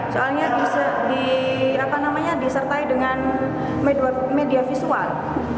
soalnya disertai dengan media visual